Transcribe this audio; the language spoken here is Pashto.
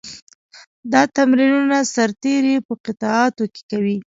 دا تمرینونه سرتېري په قطعاتو کې کوي.